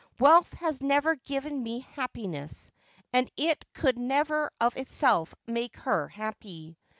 Wealth has never given me happiness, and it could never of itself make her happy.